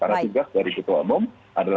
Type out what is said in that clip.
karena tugas dari ketua omong adalah